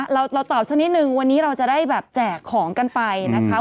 เราตอบสักนิดนึงวันนี้เราจะได้แบบแจกของกันไปนะคะ